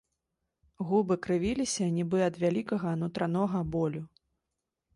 Губы крывіліся, нібы ад вялікага нутранога болю.